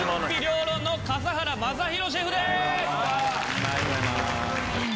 ありがとうございます。